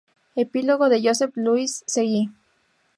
Epílogo de Josep Lluís Seguí.